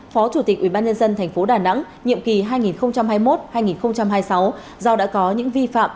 phó chủ tịch ubnd tp đà nẵng nhiệm kỳ hai nghìn hai mươi một hai nghìn hai mươi sáu do đã có những vi phạm